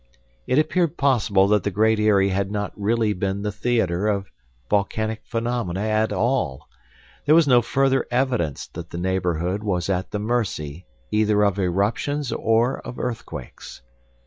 It appeared possible that the Great Eyrie had not really been the theater of volcanic phenomena at all. There was no further evidence that the neighborhood was at the mercy either of eruptions or of earthquakes.